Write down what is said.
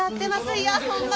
いやホンマ